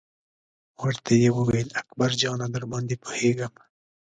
ورته یې وویل: اکبر جانه درباندې پوهېږم.